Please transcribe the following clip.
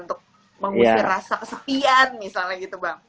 untuk mengusung rasa kesepian misalnya gitu bang